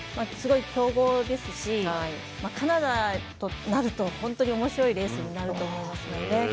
すごい強豪ですしカナダとなると本当におもしろいレースになると思いますよね。